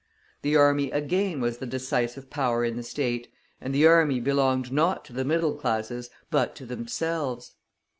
The army again was the decisive power in the State, and the army belonged not to the middle classes but to themselves.